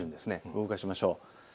動かしましょう。